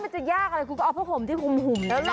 มันจะยากก้าวพะข่มที่หุ่มเลยนะ